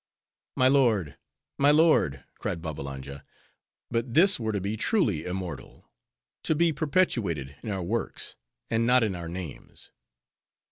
"My lord, my lord," cried Babbalanja, "but this were to be truly immortal;—to be perpetuated in our works, and not in our names.